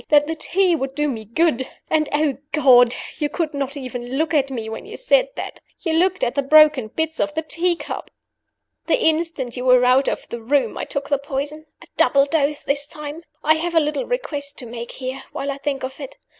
that the tea would do me good and, oh God, you could not even look at me when you said that! You looked at the broken bits of the tea cup. "The instant you were out of the room I took the poison a double dose this time. "I have a little request to make here, while I think of it.